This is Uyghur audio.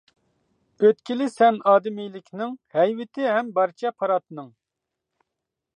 ئۆتكىلى سەن ئادىمىيلىكنىڭ، ھەيۋىتى ھەم بارچە پاراتنىڭ.